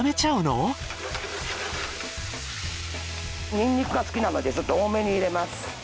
ニンニクが好きなのでちょっと多めに入れます。